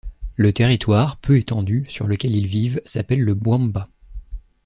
Le territoire – peu étendu – sur lequel ils vivent s'appelle le Bwamba.